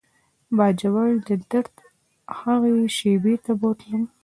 باجوړ د درد هغې شېبې ته بوتلم.